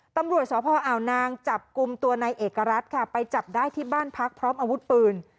ตำรวจสพอ่าวนางจับกลุ่มตัวนายเอกรัฐค่ะไปจับได้ที่บ้านพักพร้อมอาวุธปืน